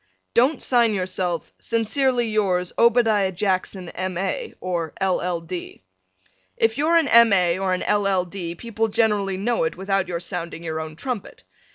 Don't sign yourself, Sincerely yours, Obadiah Jackson, M.A. or L.L. D. If you're an M. A. or an L.L. D. people generally know it without your sounding your own trumpet.